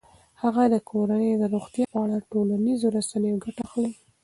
هغه د کورنۍ د روغتیا په اړه د ټولنیزو رسنیو ګټه اخلي.